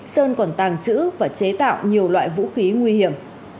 sơn còn tàng trữ và chế tạo nhiều loại vũ khí nguy hiểm